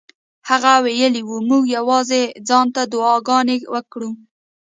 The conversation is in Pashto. هغه ویلي وو موږ یوازې ځان ته دعاګانې وکړو.